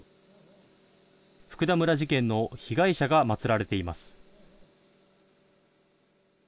福田村事件の被害者が祭られています。